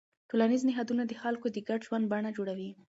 ټولنیز نهادونه د خلکو د ګډ ژوند بڼه جوړوي.